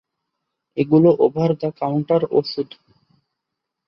এগুলো over the counter ওষুধ।